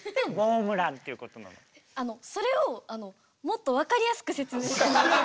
あのそれをもっと分かりやすく説明。